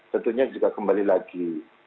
tentunya juga kembali lagi